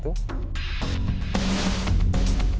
bisa perhatikan mobil putih